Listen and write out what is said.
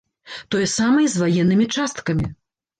Тое самае і з ваеннымі часткамі.